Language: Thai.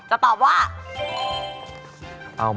จะตอบว่า